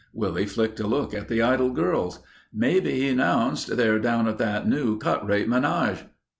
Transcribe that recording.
Willie flicked a look at the idle girls. "Maybe," he announced, "they're down at that new cut rate menage."